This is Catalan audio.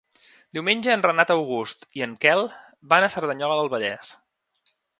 Diumenge en Renat August i en Quel van a Cerdanyola del Vallès.